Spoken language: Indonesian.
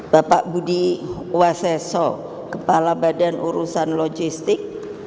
bapak budi waseso kepala badan urusan logistik